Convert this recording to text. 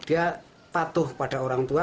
dia patuh pada orang tua